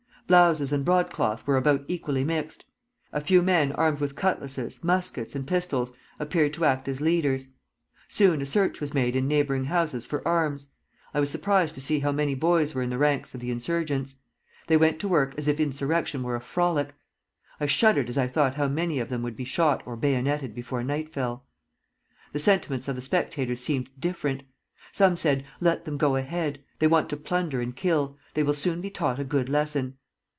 Blouses and broadcloth were about equally mixed. A few men armed with cutlasses, muskets, and pistols appeared to act as leaders; soon a search was made in neighboring houses for arms. I was surprised to see how many boys were in the ranks of the insurgents. They went to work as if insurrection were a frolic. I shuddered as I thought how many of them would be shot or bayoneted before night fell. The sentiments of the spectators seemed different. Some said, 'Let them go ahead. They want to plunder and kill: they will soon be taught a good lesson.'